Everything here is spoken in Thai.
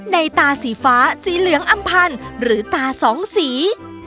ในตาสีฟ้าสีเหลืองอำพันธ์หรือตาสองสี